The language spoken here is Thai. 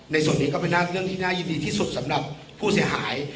นี้ก็เป็นเรื่องที่น่ายินดีที่สุดสำหรับผู้เสียหาย